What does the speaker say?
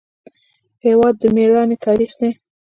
هېواد د میړانې تاریخ دی.